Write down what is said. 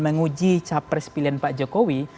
menguji capres pilihan pak jokowi